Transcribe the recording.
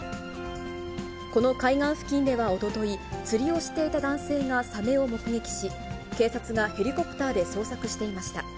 この海岸付近ではおととい、釣りをしていた男性がサメを目撃し、警察がヘリコプターで捜索していました。